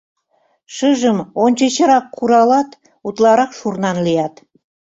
Шыжым ончычрак куралат — утларак шурнан лият.